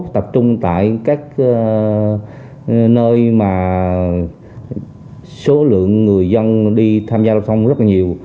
tập trung tại các nơi mà số lượng người dân đi tham gia đồng xong rất là nhiều